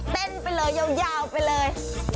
เต้นไปเลยยาวไปเลย